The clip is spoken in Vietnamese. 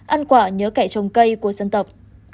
ăn quả nhớ kẻ trồng cây của dân tộc